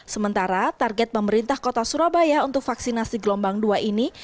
sementara target pemerintah kota surabaya untuk vaksinasi gelombang dua ini